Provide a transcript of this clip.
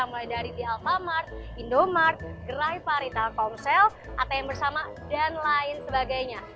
mulai dari di alfamart indomart gerai pari telkomsel atm bersama dan lain sebagainya